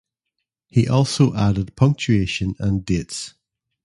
He also added punctuation and dates.